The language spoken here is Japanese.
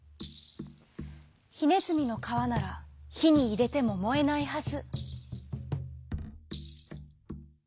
「ひねずみのかわならひにいれてももえないはず」。